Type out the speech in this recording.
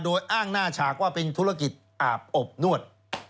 โดยอ้างหน้าฉากว่าเป็นธุรกิจอาบอบนวด